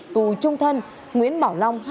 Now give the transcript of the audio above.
tù trung thân nguyễn bảo long